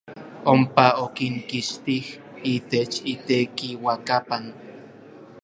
Ompa okinkixtij itech itekiuakapan.